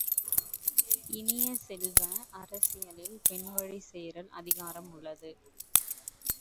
இனிய செல்வ, அரசியலில் பெண் வழிச் சேறல் அதிகாரம் உள்ளது.